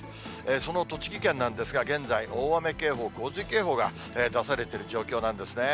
その栃木県なんですが、現在、大雨警報、洪水警報が出されてる状況なんですね。